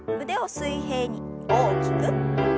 腕を水平に大きく。